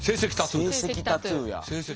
成績タトゥーや。